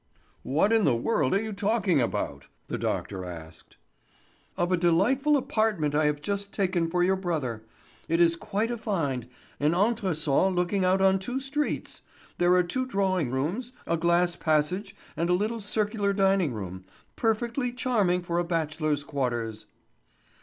"What in the world are you talking about?" the doctor asked. "Of a delightful apartment I have just taken for your brother. It is quite a find; an entresol looking out on two streets. There are two drawing rooms, a glass passage, and a little circular dining room, perfectly charming for a bachelor's quarters."